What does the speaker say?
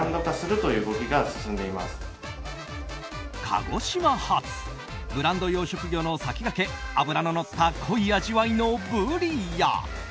鹿児島発ブランド養殖魚の先駆け脂ののった濃い味わいのブリや。